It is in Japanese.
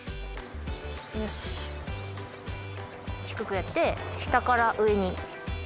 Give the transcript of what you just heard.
低くやって下から上に。